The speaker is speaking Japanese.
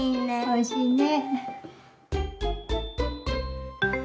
おいしいね。